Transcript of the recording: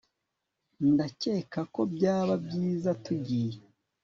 ndakeka ko byaba byiza tugiye